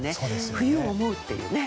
冬を思うっていうね。